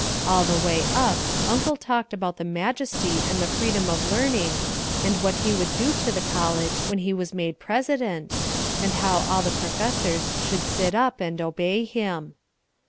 All the way up Uncle talked about the majesty and the freedom of learning and what he would do to the college when he was made president, and how all the professors should sit up and obey him.